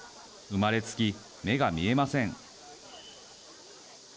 生まれつき目が見えません。